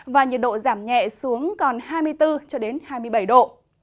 và nhiệt độ giảm nhẹ xuống còn hai mươi bốn hai mươi bảy độ